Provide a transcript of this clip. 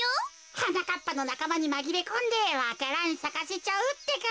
はなかっぱのなかまにまぎれこんでわか蘭さかせちゃうってか。